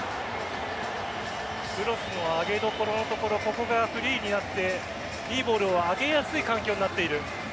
クロスの上げどころがフリーになっていいボールを上げやすい環境になっている。